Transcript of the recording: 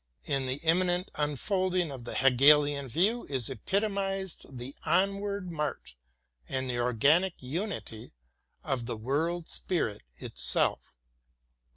In the immanent unfolding of the Hegelian view is epitomized the onward march and the organic unity of the World Spirit itself.